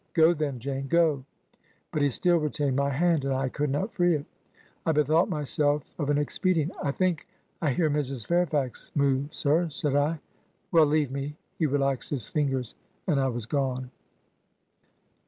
Go, then, Jane, goT But he still retained my hand, and I could not free it. I bethought myself of an expedient. 'I think I hear Mrs. Fairfax move, sir,' said I. 'Well, leave me.' He relaxed his fingers and I was gone.''